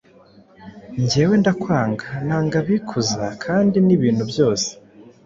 Ngewe ndakwanga nanga abikuza kandi n’ibintu byose